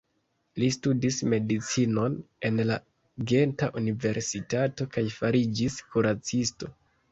Li studis medicinon en la Genta Universitato kaj fariĝis kuracisto.